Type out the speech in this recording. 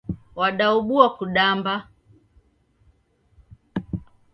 Wadaobua kudamba.